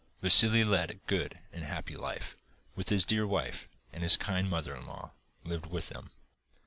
Vassili led a good and happy life with his dear wife, and his kind mother in law lived with them.